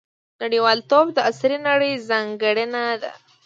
• نړیوالتوب د عصري نړۍ ځانګړنه ده.